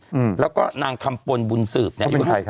อืมแล้วก็นางคำปนบุญสืบเนี้ยเขาเป็นใครครับ